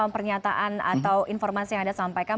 pernyataan atau informasi yang anda sampaikan